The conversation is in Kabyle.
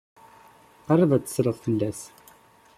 Qrib ad tesleḍ fell-as.